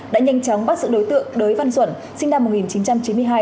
đã nhanh chóng bắt giữ đối tượng đới văn duẩn sinh năm một nghìn chín trăm chín mươi hai